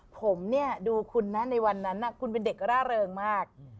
ผมเนี่ยดูคุณนะในวันนั้นคุณเป็นเด็กร่าเริงมาก